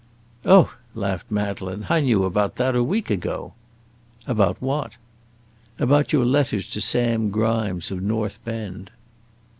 "Oh!" laughed Madeleine, "I knew about that a week ago." "About what?" "About your letter to Sam Grimes, of North Bend."